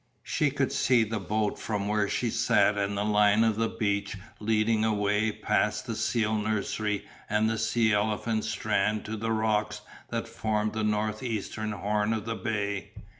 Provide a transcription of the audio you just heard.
She could see the boat from where she sat and the line of the beach leading away past the seal nursery and the sea elephant strand to the rocks that formed the north eastern horn of the bay.